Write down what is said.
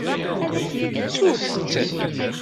Ttut-tt!